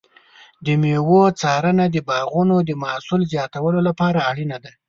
د مېوو څارنه د باغونو د محصول زیاتولو لپاره اړینه ده.